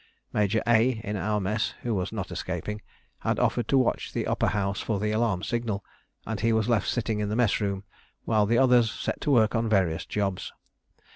Major A in our mess, who was not escaping, had offered to watch the Upper House for the alarm signal, and he was left sitting in the mess room while the others set to work on various jobs.